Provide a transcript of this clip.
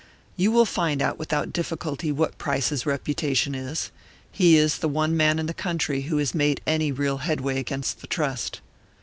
You will find out without difficulty what Price's reputation is; he is the one man in the country who has made any real headway against the Trust.